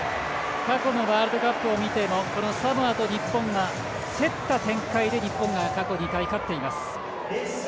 過去のワールドカップを見てもサモアと日本が競った展開で日本が過去２回勝っています。